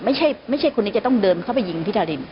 ไม่ใช่คนนี้จะต้องเดินเข้าไปยิงพี่ทาริน